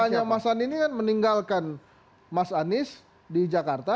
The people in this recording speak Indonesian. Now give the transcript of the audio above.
makanya mas andi ini kan meninggalkan mas anies di jakarta